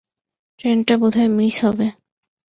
ট্রেনটা বোধহয় মিস হবে।